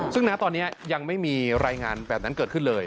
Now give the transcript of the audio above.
ซึ่งนะตอนนี้ยังไม่มีรายงานแบบนั้นเกิดขึ้นเลย